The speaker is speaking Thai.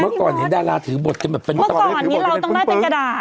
เมื่อก่อนเห็นดาราถือบทกันแบบเป็นเมื่อก่อนนี้เราต้องได้เป็นกระดาษ